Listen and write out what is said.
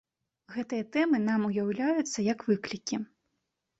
Гэтыя тэмы нам уяўляюцца як выклікі.